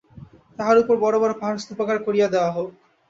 তাহার উপর বড় বড় পাহাড় স্তূপাকার করিয়া দেওয়া হউক।